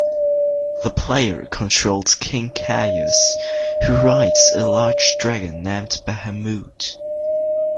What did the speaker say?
The player controls King Kayus, who rides a large dragon named Bahamoot.